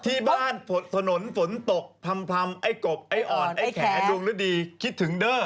ที่บ้านถนนฝนตกพร่ำไอ้กบไอ้อ่อนไอ้แขดวงฤดีคิดถึงเด้อ